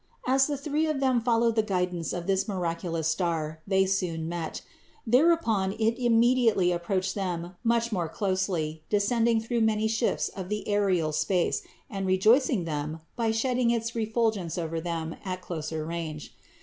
As the three of them followed the guidance of this miraculous star, they soon met. Thereupon it imme diately approached them much more closely, descending through many shifts of the aerial space and rejoicing them by shedding its refulgence over them at closer range.